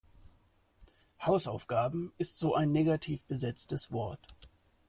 Hausaufgabe ist so ein negativ besetztes Wort.